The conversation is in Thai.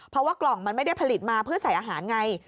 เพราะว่ากล่องมันไม่ได้ผลิตมาเพื่อใส่อาหารไง